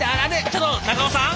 ちょっと長尾さん？